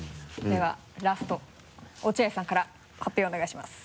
ではラスト落合さんから発表お願いします。